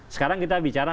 sekarang kita bicara